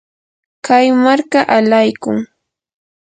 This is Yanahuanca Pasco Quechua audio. kay marka alaykun.